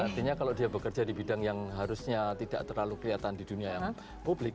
artinya kalau dia bekerja di bidang yang harusnya tidak terlalu kelihatan di dunia yang publik